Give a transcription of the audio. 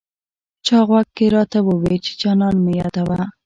چا غوږ کې راته وویې چې جانان مه یادوه.